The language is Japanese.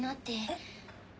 えっ？